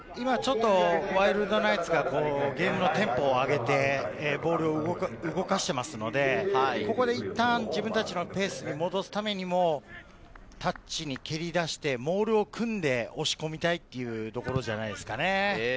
ワイルドナイツがゲームのテンポを上げて、ボールを動かしていますので、いったん自分たちのペースに戻すためにも、タッチに蹴り出してモールを組んで、押し込みたいというところじゃないですかね。